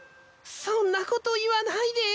そんなこと言わないで。